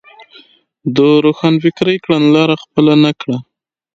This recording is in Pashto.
د روښانفکرۍ کڼلاره خپله نه کړه.